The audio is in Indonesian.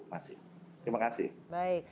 masih terima kasih baik